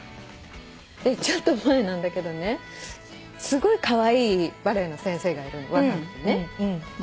ちょっと前なんだけどねすごいカワイイバレエの先生がいるの若くてね。